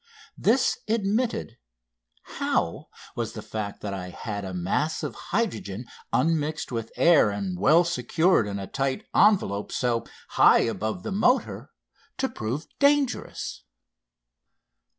This admitted, how was the fact that I had a mass of hydrogen unmixed with air and well secured in a tight envelope so high above the motor to prove dangerous?